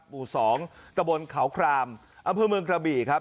ปู่สองกระบวนเขาครามอำเภอเมืองกระบีครับ